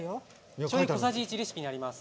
おしょうゆ、小さじ１レシピにあります。